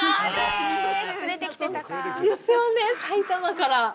あ！ですよね埼玉から。